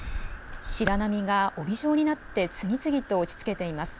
白波が帯状になって次々と打ちつけています。